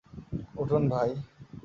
উঠুন, ভাই।